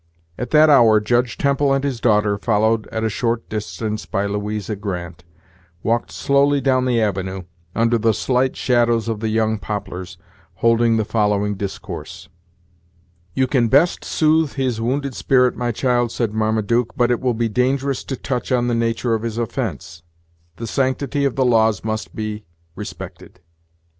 At that hour Judge Temple and his daughter, followed at a short distance by Louisa Grant, walked slowly down the avenue, under the slight shadows of the young poplars, holding the following discourse: "You can best soothe his wounded spirit, my child," said Marmaduke; "but it will be dangerous to touch on the nature of his offence; the sanctity of the laws must be respected."